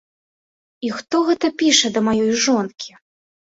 І хто гэта піша да маёй жонкі?